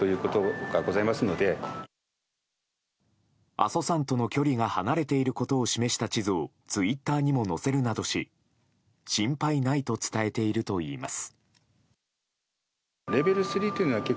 阿蘇山との距離が離れていることを示した地図をツイッターにも載せるなどし心配ないと伝えているといいます。